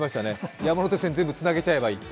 山手線全部つなげちゃえばいいって。